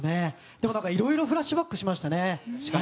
でも、いろいろフラッシュバックしましたね。